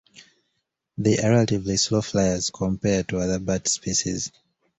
They are relatively slow flyers compared to other bat species.